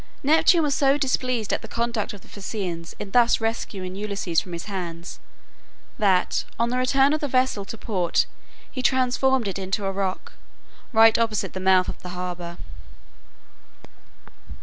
Neptune was so displeased at the conduct of the Phaeacians in thus rescuing Ulysses from his hands that on the return of the vessel to port he transformed it into a rock, right opposite the mouth of the harbor.